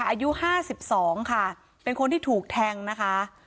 อายุห้าสิบสองค่ะเป็นคนที่ถูกแทงนะคะ